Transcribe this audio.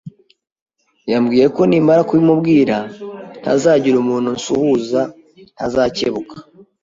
Yambwiye ko nimara kubimubwira ntazagira umuntu nsuhuza, ntazakebuka,